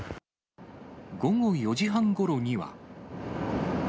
午後４時半ごろには。